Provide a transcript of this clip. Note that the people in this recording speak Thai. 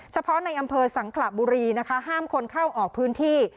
เฉพาะในอำเภอสังขระบุรีนะคะห้ามคนเข้าออกพื้นที่